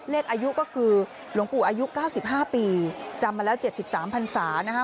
อายุก็คือหลวงปู่อายุ๙๕ปีจำมาแล้ว๗๓พันศานะคะ